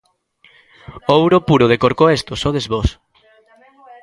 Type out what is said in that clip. O ouro puro de Corcoesto sodes vós.